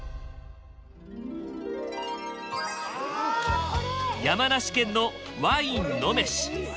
山梨県の「ワインのめし」。